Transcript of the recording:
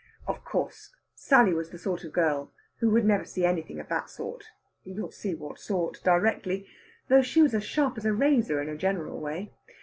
Of course, Sally was the sort of girl who would never see anything of that sort you'll see what sort directly though she was as sharp as a razor in a general way.